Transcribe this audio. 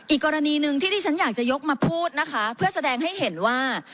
อีกกรณีหนึ่งที่ที่ฉันอยากจะยกมาพูดนะคะเพื่อแสดงให้เห็นว่า